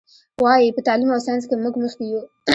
وایي: په تعلیم او ساینس کې موږ مخکې یو.